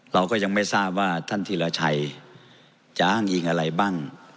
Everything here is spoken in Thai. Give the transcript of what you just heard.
เราก็ยังไม่ทราบว่าท่านธีรชัยจะอ้างอิงอะไรบ้าง